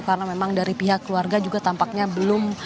karena memang dari pihak keluarga juga tampaknya belum